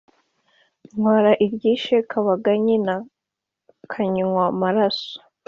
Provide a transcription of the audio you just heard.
Ntwara iryishe Kabaganyi na Kanywamaraso